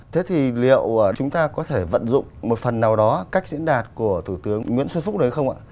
thế thì liệu chúng ta có thể vận dụng một phần nào đó cách diễn đạt của thủ tướng nguyễn xuân phúc đấy không ạ